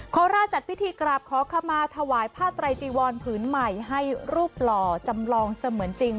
โคราชจัดพิธีกราบขอขมาถวายผ้าไตรจีวรผืนใหม่ให้รูปหล่อจำลองเสมือนจริง